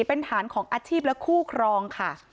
เป็นฐานของอาชีพและคู่ครองค่ะ